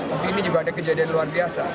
tapi ini juga ada kejadian luar biasa